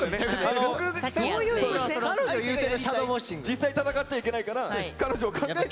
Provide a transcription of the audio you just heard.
実際戦っちゃいけないから彼女を考えて。